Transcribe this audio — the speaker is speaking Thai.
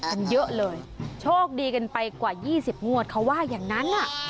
มันเยอะเลยโชคดีกันไปกว่ายี่สิบงวดเขาไหว้อย่างนั้นน่ะ